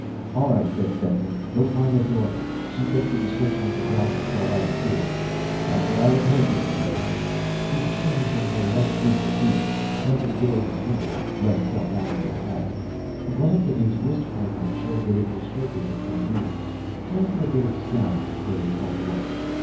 "All right," said Stetson. "Go find the daughter. She fits the description of the gal you saw by the pool." "That's what I was hoping," said Orne. He changed into light blue fatigues, went to the door of his room, let himself out into a hall. A glance at his wristchrono showed that it was shortly before noon time for a bit of scouting before they called lunch.